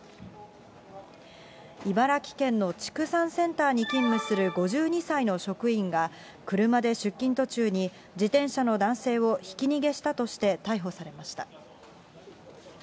茨城県の畜産センターに勤務する５２歳の職員が、車で出勤途中に、自転車の男性をひき逃げしたとして逮捕されました。